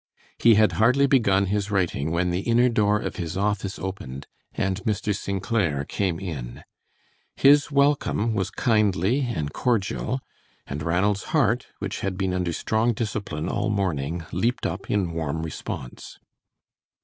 He had hardly begun his writing when the inner door of his office opened and Mr. St. Clair came in. His welcome was kindly and cordial, and Ranald's heart, which had been under strong discipline all morning, leaped up in warm response.